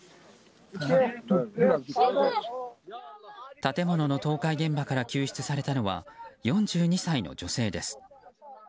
建物の倒壊現場から救出されたのは４２歳の女性です。